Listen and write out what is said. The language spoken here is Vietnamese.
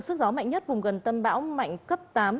sức gió mạnh nhất vùng gần tâm bão mạnh cấp tám giật cấp một mươi